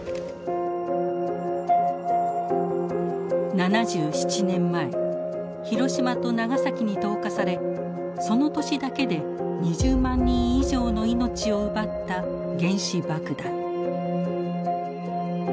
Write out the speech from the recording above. ７７年前広島と長崎に投下されその年だけで２０万人以上の命を奪った原子爆弾。